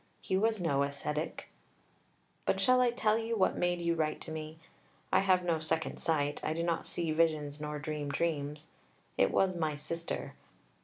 He was no ascetic. But shall I tell you what made you write to me? I have no second sight, I do not see visions nor dream dreams. It was my sister.